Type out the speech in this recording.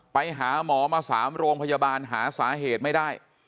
ไปหาหมอมา๓โรงพยาบาลหาสาเหตุไม่ได้